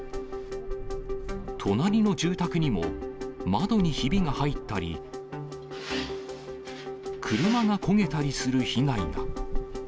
隣の住宅にも窓にひびが入ったり、車が焦げたりする被害が。